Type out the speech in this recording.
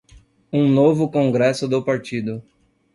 um novo Congresso do Partido